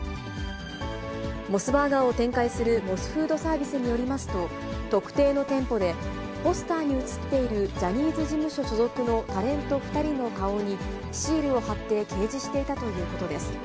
モスバーガーを展開するモスフードサービスによりますと、特定の店舗で、ポスターに写っているジャニーズ事務所所属のタレント２人の顔にシールを貼って掲示していたということです。